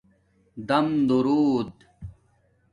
دام دݸرود